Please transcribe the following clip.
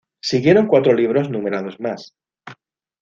Siguieron cuatro libros numerados más.